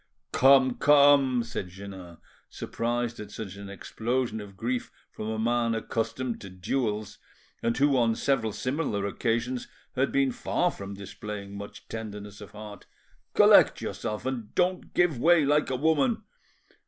"Come, come," said Jeannin, surprised at such an explosion of grief from a man accustomed to duels, and who on several similar occasions had been far from displaying much tenderness of heart, "collect yourself, and don't give way like a woman.